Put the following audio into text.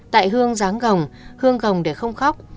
tại hương ráng gồng hương gồng để không khóc